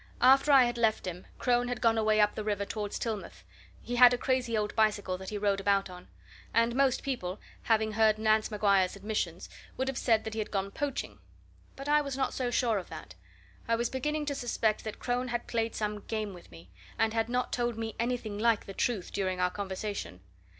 After I had left him, Crone had gone away up the river towards Tillmouth he had a crazy old bicycle that he rode about on. And most people, having heard Nance Maguire's admissions, would have said that he had gone poaching. But I was not so sure of that. I was beginning to suspect that Crone had played some game with me, and had not told me anything like the truth during our conversation.